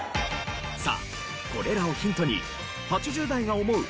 さあこれらをヒントに８０代が思う